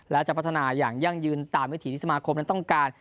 และจะพัฒนายังยืนตามกระถิ่นที่สมาคมนั้นต้องการ